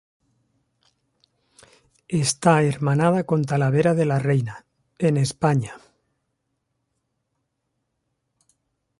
Está hermanada con Talavera de la Reina, en España.